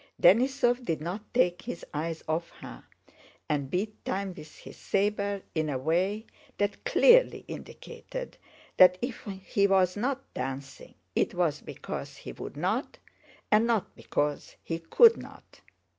Denísov did not take his eyes off her and beat time with his saber in a way that clearly indicated that if he was not dancing it was because he would not and not because he could not.